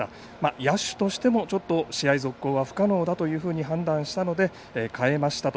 野手としても試合続行は不可能だというふうに判断したので代えましたと。